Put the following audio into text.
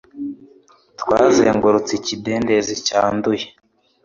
Twazengurutse iki kidendezi cyanduye